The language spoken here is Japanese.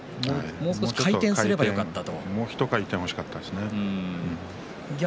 もう１回転すればよかったと。